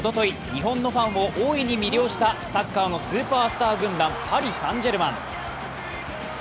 日本のファンを大いに魅了したサッカーのスーパースター軍団、パリ・サン＝ジェルマン。